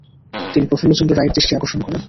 তিনি প্রফুল্লচন্দ্র রায়ের দৃষ্টি আকর্ষণ করেন।